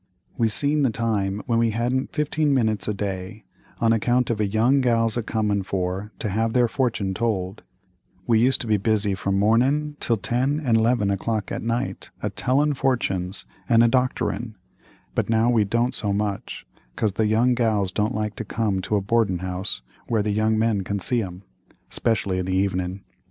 "We seen the time when we hadn't fifteen minutes a day, on account of young gals a comin' for to have their fortune told; we used to be busy from mornin' till ten and 'levin o'clock at night a tellin' fortunes an' a doctorin'—but now, we don't do so much 'cause the young gals don't like to come to a boardin' house where young men can see 'em, 'specially in the evenin'.